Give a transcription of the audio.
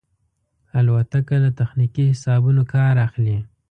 الوتکه له تخنیکي حسابونو کار اخلي.